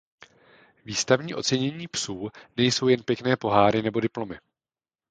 Výstavní ocenění psů nejsou jen pěkné poháry nebo diplomy.